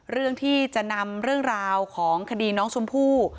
เรื่องที่จะนำเรื่องราวของคดีน้องชมพู่